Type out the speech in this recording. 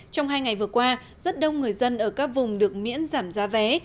trong hai ngày vừa qua rất đông người dân ở các vùng được miễn giảm giá vé